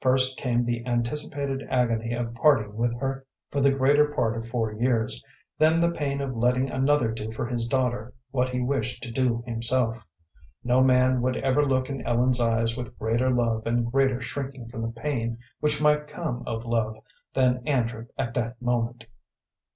First came the anticipated agony of parting with her for the greater part of four years, then the pain of letting another do for his daughter what he wished to do himself. No man would ever look in Ellen's eyes with greater love and greater shrinking from the pain which might come of love than Andrew at that moment.